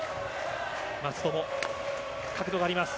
松友角度があります。